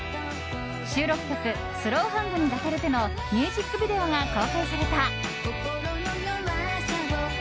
収録曲「スローハンドに抱かれて」のミュージックビデオが公開された。